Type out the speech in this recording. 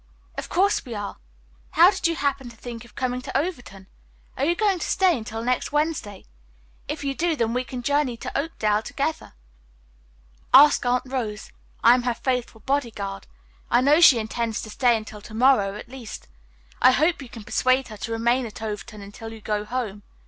"Of course we are. How did you happen to think of coming to Overton? Are you going to stay until next Wednesday? If you do, then we can all journey to Oakdale together." "Ask Aunt Rose. I am her faithful bodyguard. I know she intends to stay until to morrow at least. I hope you can persuade her to remain at Overton until you go home.